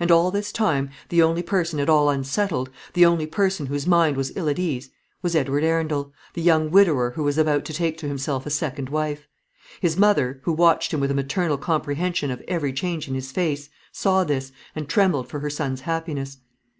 And all this time the only person at all unsettled, the only person whose mind was ill at ease, was Edward Arundel, the young widower who was about to take to himself a second wife. His mother, who watched him with a maternal comprehension of every change in his face, saw this, and trembled for her son's happiness.